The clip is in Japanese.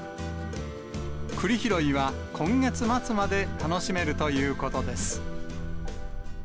くり拾いは今月末まで楽しめるということです。